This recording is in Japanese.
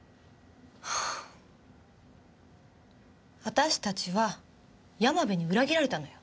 私たちは山部に裏切られたのよ。